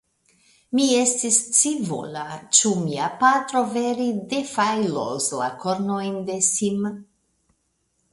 Mi estis scivola, ĉu mia patro vere defajlus la kornojn de Sim.